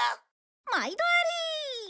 まいどあり！